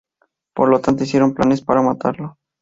Por lo tanto, hicieron planes para matarlo.